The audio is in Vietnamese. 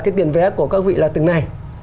cái tiền vé của các vị là từng này